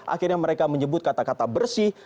akhirnya mereka menyebut kata kata bersih